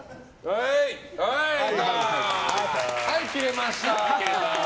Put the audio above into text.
はい、切れました！